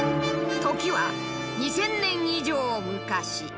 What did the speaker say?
時は２０００年以上昔。